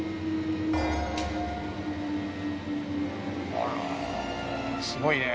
あらすごいね。